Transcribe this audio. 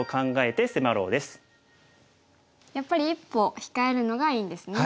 やっぱり一歩控えるのがいいんですね。